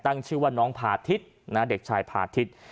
ตั้งชื่อว่าน๗งผ่าทิศนะเด็กชายผ่าทิศ